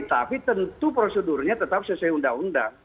tapi tentu prosedurnya tetap sesuai undang undang